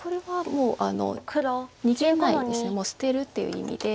もう捨てるっていう意味で。